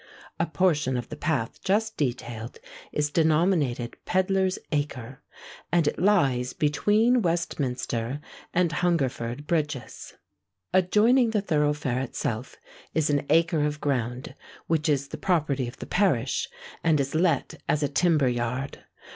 A portion of the path just detailed is denominated Pedlar's Acre; and it lies between Westminster and Hungerford Bridges. Adjoining the thoroughfare itself is an acre of ground, which is the property of the parish, and is let as a timber yard.